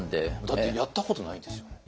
だってやったことないですよね？